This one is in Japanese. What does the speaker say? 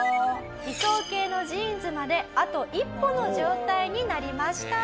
理想形のジーンズまであと一歩の状態になりました。